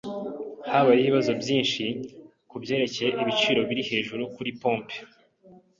Habayeho ibibazo byinshi kubyerekeye ibiciro biri hejuru kuri pompe.